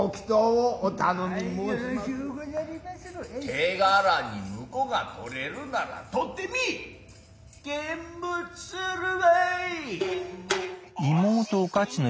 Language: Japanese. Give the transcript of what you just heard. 手柄に婿が取れるなら取って見ィ見物するわい。